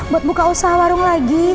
buat buka usaha warung lagi